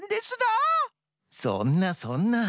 そんなそんな。